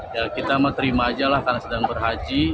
ya kita terima aja lah karena sedang berhaji